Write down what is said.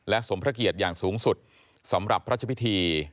สมพระเกียรติอย่างสูงสุดสำหรับพระเจ้าพิธี